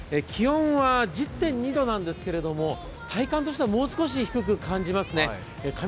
気温は１０．２度なんですが体感としては、もう少し低く感じますね。